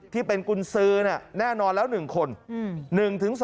ที่เป็นกุญสือแน่นอนแล้ว๑คน